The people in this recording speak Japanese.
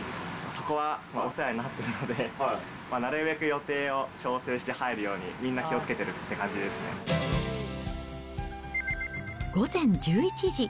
そこはまあ、お世話になっているので、なるべく予定を調整して入るように、みんな気をつけてるって感じ午前１１時。